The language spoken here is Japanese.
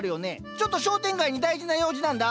ちょっと商店街に大事な用事なんだ。